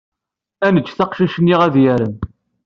Ad neǧǧet aqcic-nni ad yarem.